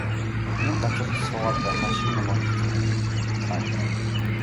Нэг газар суугаад байхаар шинэ юм олж үзэхгүй нь лав.